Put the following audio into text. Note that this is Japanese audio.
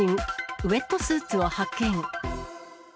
ウエットスーツを発見。